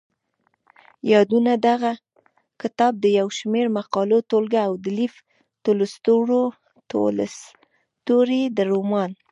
يادونه دغه کتاب د يو شمېر مقالو ټولګه او د لېف تولستوري د رومان.